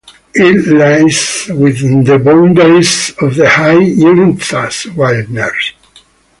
It lies within the boundaries of the High Uintas Wilderness.